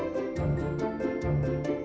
mana duluan ya